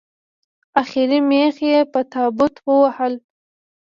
اخري مېخ یې په تابوت ووهلو